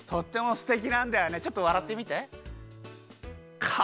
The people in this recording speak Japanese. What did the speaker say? ちょっとわらってみて。